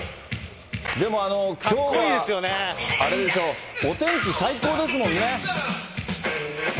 でもきょうはあれでしょ、お天気最高ですもんね。